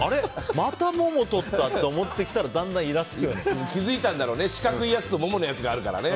またモモとったって思ってきたら気づいたんだろうね四角いやつとモモのやつがあるからね。